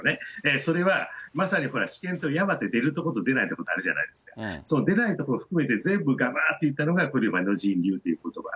それは、まさに試験って出るとこと出ないとこあるじゃないですか、出ないところを含めて、全部がばーっていったのがこれまでの人流ということば。